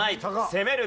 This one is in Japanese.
攻める。